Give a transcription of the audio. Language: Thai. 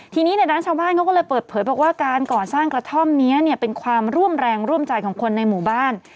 ทีนี้ในนั้นชาวบ้านเขาก็เลยเปิดเผยบอกว่าการก่อสร้างกระท่อมนี้เนี่ยเป็นความร่วมแรงร่วมใจของคนในหมู่บ้าน